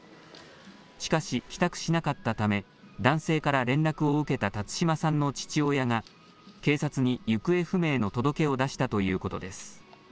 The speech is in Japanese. しかし帰宅しなかったため男性から連絡を受けた辰島さんの父親が警察に行方不明の届けを出したということです。